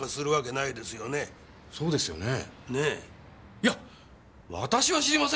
いや私は知りませんよ。